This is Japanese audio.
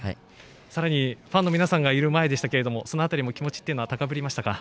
さらに、ファンの皆さんがいる中でしたけどその辺りも気持ちっていうのは高ぶりましたか？